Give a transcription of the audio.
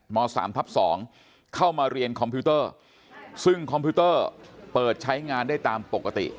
๓ทับ๒เข้ามาเรียนคอมพิวเตอร์ซึ่งคอมพิวเตอร์เปิดใช้งานได้ตามปกติ